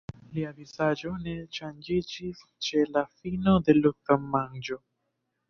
Lia vizaĝo ne ŝanĝiĝis ĉe la fino de l' tagmanĝo.